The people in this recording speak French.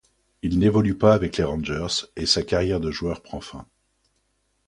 Il n'évolue pas avec les Rangers et sa carrière de joueur prend fin.